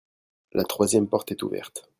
La troisième porte est ouverte.